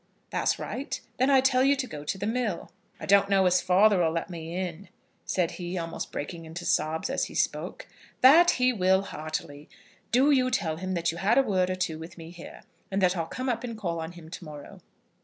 "That's right. Then I tell you to go to the mill." "I don't know as father'll let me in," said he, almost breaking into sobs as he spoke. "That he will, heartily. Do you tell him that you had a word or two with me here, and that I'll come up and call on him to morrow."